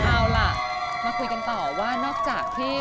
เอาล่ะมาคุยกันต่อว่านอกจากที่